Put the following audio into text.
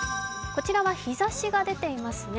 こちらは日ざしが出ていますね